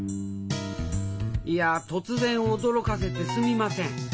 いや突然驚かせてすみません。